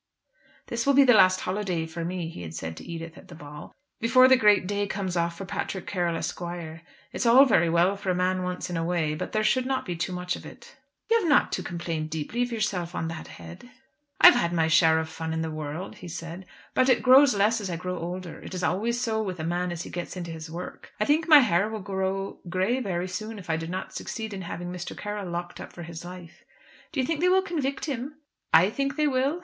"This will be the last holiday for me," he had said to Edith at the ball, "before the great day comes off for Patrick Carroll, Esq. It's all very well for a man once in a way, but there should not be too much of it." "You have not to complain deeply of yourself on that head." "I have had my share of fun in the world," he said; "but it grows less as I grow older. It is always so with a man as he gets into his work. I think my hair will grow grey very soon, if I do not succeed in having Mr. Carroll locked up for his life." "Do you think they will convict him?" "I think they will?